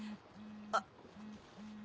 あっ。